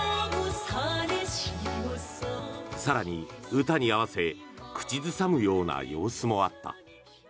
更に、歌に合わせ口ずさむような様子もあった。